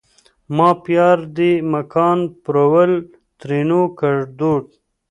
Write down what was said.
ما پیار دې مکان پرول؛ ترينو کړدود